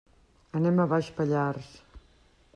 Anem a Baix Pallars.